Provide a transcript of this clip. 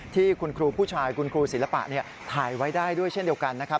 ที่คุณครูผู้ชายคุณครูศิลปะถ่ายไว้ได้ด้วยเช่นเดียวกันนะครับ